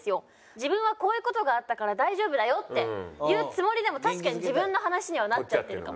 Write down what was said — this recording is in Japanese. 自分はこういう事があったから大丈夫だよっていうつもりでも確かに自分の話にはなっちゃってるかも。